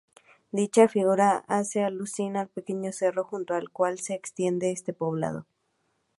Dicha figura hace alusión al pequeño cerro junto al cual se extiende este poblado.